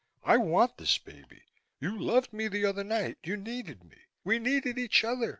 I want this baby. You loved me the other night. You needed me. We needed each other.